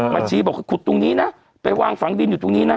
ชี้บอกขุดตรงนี้นะไปวางฝังดินอยู่ตรงนี้นะ